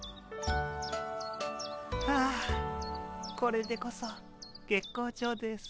ああこれでこそ月光町です。